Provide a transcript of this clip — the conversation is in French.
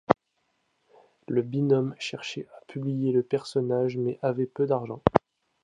Le binôme cherchait à publier le personnage mais avait peu d’argent.